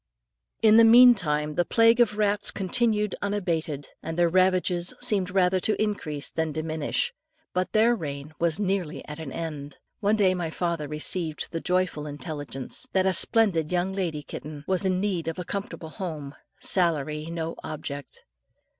In the meantime the plague of rats continued unabated, and their ravages seemed rather to increase than diminish. But their reign was nearly at an end. One day my father received the joyful intelligence that a splendid young lady kitten, was in need of a comfortable home salary no object.